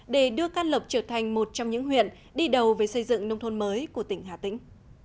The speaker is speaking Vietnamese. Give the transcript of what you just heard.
để đưa cát lập trở thành một trong những huyện đi đầu về xây dựng nông thôn mới của tỉnh hà tĩnh